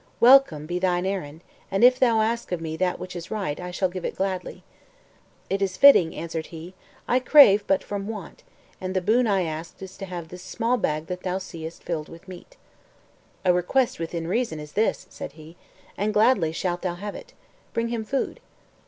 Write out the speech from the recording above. "Welcome be thine errand, and if thou ask of me that which is right, thou shalt have it gladly." "It is fitting," answered he; "I crave but from want, and the boon I ask is to have this small bag that thou seest filled with meat." "A request within reason is this," said he, "and gladly shalt thou have it. Bring him food."